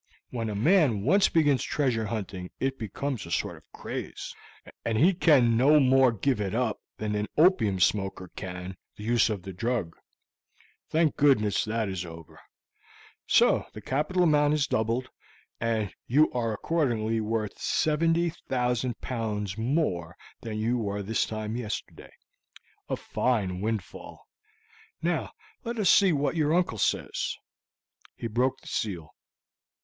When a man once begins treasure hunting it becomes a sort of craze, and he can no more give it up than an opium smoker can the use of the drug. Thank goodness, that is over; so the capital amount is doubled, and you are accordingly worth 70,000 pounds more than you were this time yesterday a fine windfall! Now let us see what your uncle says." He broke the seal.